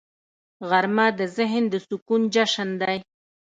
غرمه د ذهن د سکون جشن دی